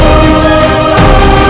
baik ayahanda prabu